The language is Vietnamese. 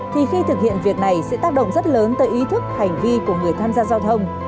thì khi thực hiện việc này sẽ tác động rất lớn tới ý thức hành vi của người tham gia giao thông